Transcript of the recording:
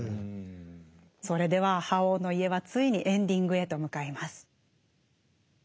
それでは「覇王の家」はついにエンディングへと向かいます。